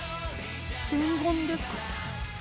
伝言ですか。